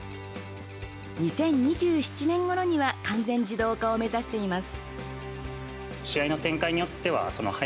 ２０２７年ごろには完全自動化を目指しています。